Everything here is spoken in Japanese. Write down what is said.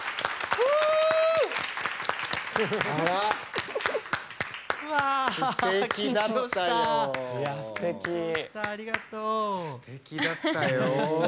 すてきだったよ。